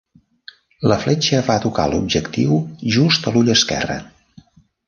La fletxa va tocar l'objectiu just a l'ull esquerre.